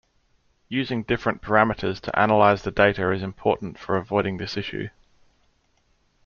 Using different parameters to analyze the data is important for avoiding this issue.